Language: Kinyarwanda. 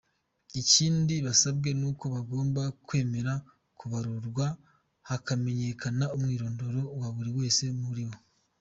Ikindi basabwe nuko bagomba kwemera kubarurwa, hakamenyekana umwirondoro wa buri wese muri bo.